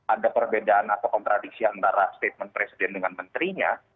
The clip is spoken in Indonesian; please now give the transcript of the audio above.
ada perbedaan atau kontradiksi antara statement presiden dengan menterinya